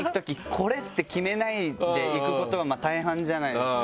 これって決めないで行くことが大半じゃないですか。